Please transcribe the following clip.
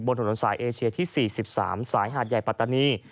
บนถนนสายเอเชียที่๔๓สายหาดใหญ่ปัตตานี